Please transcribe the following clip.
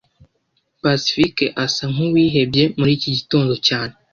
Pacifique asa nkuwihebye muri iki gitondo cyane